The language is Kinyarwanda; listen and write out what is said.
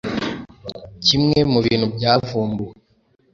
kimwe mu bintu byavumbuwe